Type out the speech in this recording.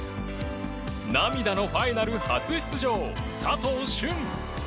涙のファイナル初出場佐藤駿